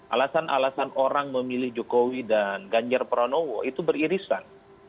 alasan alasan orang memilih jokowi dan ganjar pranowo itu beririsan